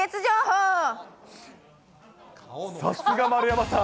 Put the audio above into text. さすが丸山さん。